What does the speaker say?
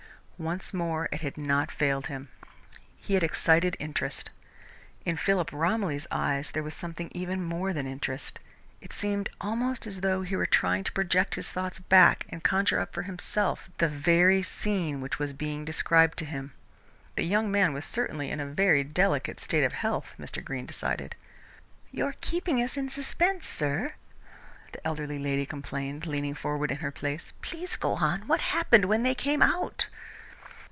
Once more it had not failed him. He had excited interest. In Philip Romilly's eyes there was something even more than interest. It seemed almost as though he were trying to project his thoughts back and conjure up for himself the very scene which was being described to him. The young man was certainly in a very delicate state of health, Mr. Greene decided. "You are keeping us in suspense, sir," the elderly lady complained, leaning forward in her place. "Please go on. What happened when they came out?"